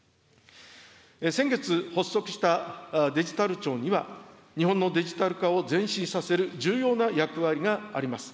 先月発足したデジタル庁には、日本のデジタル化を前進させる重要な役割があります。